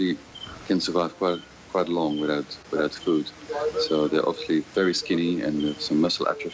แล้วเราต้องติดตามว่าว่าจะเอาพวกมันออกมาจากถ้ำ